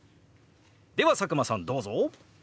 では佐久間さんどうぞ！